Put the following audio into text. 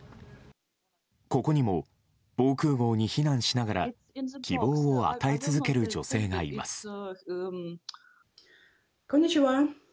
ここにも、防空壕に避難しながら希望を与え続ける女性がいます。